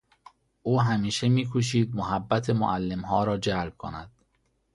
او همیشه میکوشید محبت معلمها را جلب کند.